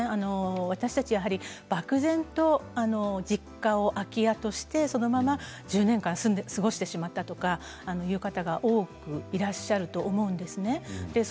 私たちは漠然と実家を空き家として１０年間過ごしてしまったとかいう方が多くいらっしゃるんですね。